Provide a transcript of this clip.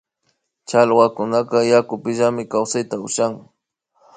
Challwakunaka yakupimillami kawsay ushan